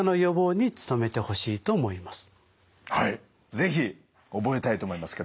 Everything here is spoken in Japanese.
是非覚えたいと思いますけども。